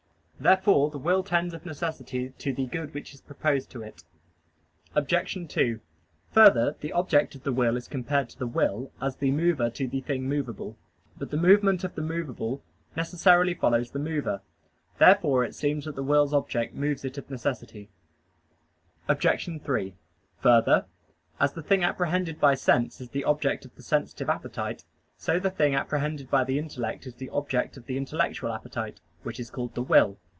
Therefore the will tends of necessity to the good which is proposed to it. Obj. 2: Further, the object of the will is compared to the will as the mover to the thing movable. But the movement of the movable necessarily follows the mover. Therefore it seems that the will's object moves it of necessity. Obj. 3: Further, as the thing apprehended by sense is the object of the sensitive appetite, so the thing apprehended by the intellect is the object of the intellectual appetite, which is called the will.